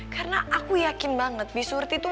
karena aku yakin banget bisurti tuh